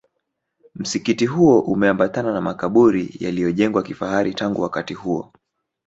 Msikiti huo umeambatana na makaburi yaliyojengwa kifahari tangu wakati huo